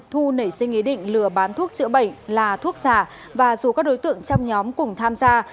thu nảy sinh ý định lừa bán thuốc chữa bệnh là thuốc giả và dù các đối tượng trong nhóm cùng tham gia